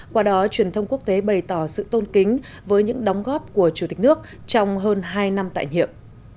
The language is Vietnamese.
qua đó truyền thông quốc tế bày tỏ sự tôn kính với những đóng góp của chủ tịch nước trong hơn hai năm tại nhiệm